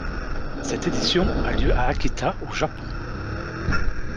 Cette édition a lieu à Akita, au Japon.